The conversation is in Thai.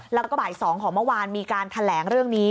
แล้วก็บ่าย๒ของเมื่อวานมีการแถลงเรื่องนี้